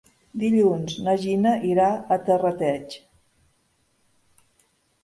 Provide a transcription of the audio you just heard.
Dilluns na Gina irà a Terrateig.